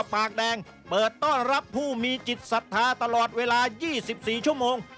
ปากแดงเปิดต้อนรับผู้มีจิตศรัทธาตลอดเวลา๒๔ชั่วโมง